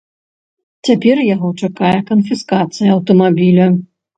Цяпер яго чакае канфіскацыя аўтамабіля.